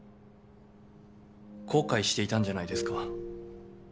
後悔していたんじゃないですか。